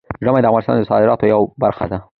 ژبې د افغانستان د صادراتو یوه برخه ده.